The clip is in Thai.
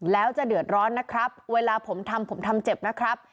แล้วจะเดือดร้อนนะครับเวลาผมทำผมทำเจ็บนะครับ